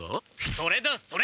それだそれ！